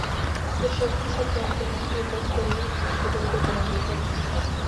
تشدد سب جانتے ہیں کہ بد ترین گھٹن کو جنم دیتا ہے۔